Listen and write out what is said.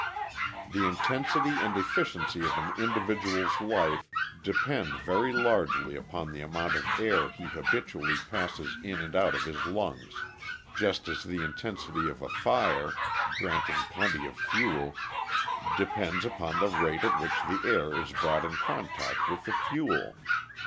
The intensity and efficiency of an individual's life depend very largely upon the amount of air he habitually passes in and out of his lungs, just as the intensity of a fire, granting plenty of fuel, depends upon the rate at which the air is brought in contact with the fuel.